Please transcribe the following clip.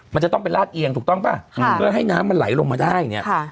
มันจะต้องไปลาดเอียงถูกต้องป่ะเพื่อให้น้ำมันไหลลงมาได้เนี่ย